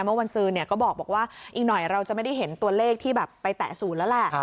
เมื่อวันซื้อก็บอกว่าอีกหน่อยเราจะไม่ได้เห็นตัวเลขที่แบบไปแตะศูนย์แล้วแหละ